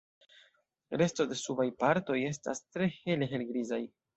Resto de subaj partoj estas tre hele helgrizaj.